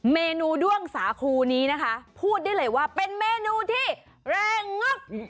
เมนูด้วงสาคูนี้นะคะพูดได้เลยว่าเป็นเมนูที่แรงงึก